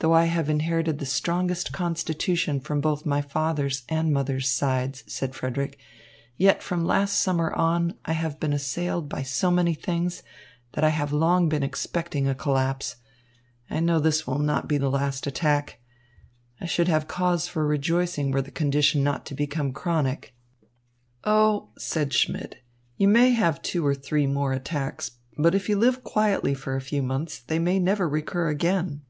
"Though I have inherited the strongest constitution from both my father's and mother's sides," said Frederick, "yet, from last summer on, I have been assailed by so many things that I have long been expecting a collapse. I know this will not be the last attack. I should have cause for rejoicing were the condition not to become chronic." "Oh," said Schmidt, "you may have two or three more attacks, but if you live quietly for a few months, they may never recur again."